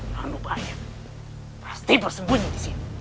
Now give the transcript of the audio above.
nanggubahaya pasti bersembunyi di sini